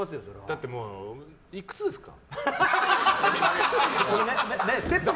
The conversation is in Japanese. だって、いくつですか？